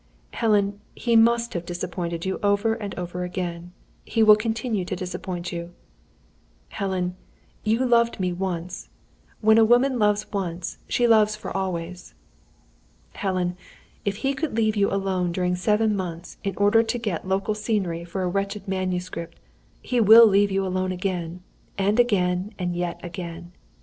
"Helen, he must have disappointed you over and over again. He will continue to disappoint you. "Helen, you loved me once; and when a woman loves once, she loves for always. "Helen, if he could leave you alone during seven months, in order to get local scenery for a wretched manuscript, he will leave you again, and again, and yet again.